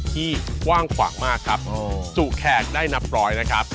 ที่กว้างควังมากครับอ๋อสู่แขกได้นับร้อยนะครับอ๋อ